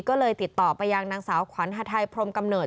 ก็เลยติดต่อไปยังนางสาวขวัญฮาไทยพรมกำเนิด